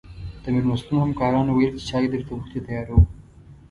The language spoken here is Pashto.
د مېلمستون همکارانو ویل چې چای درته وختي تیاروو.